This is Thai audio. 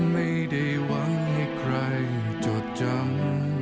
ไม่ได้หวังให้ใครจดจำ